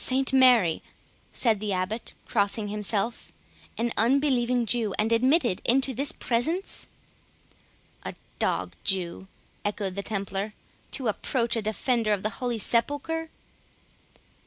"St Mary," said the Abbot, crossing himself, "an unbelieving Jew, and admitted into this presence!" "A dog Jew," echoed the Templar, "to approach a defender of the Holy Sepulchre?"